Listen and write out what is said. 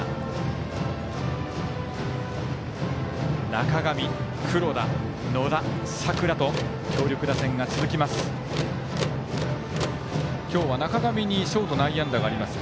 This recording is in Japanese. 中上、黒田、野田、佐倉と強力打線が続きます。